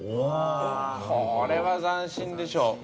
これは斬新でしょう。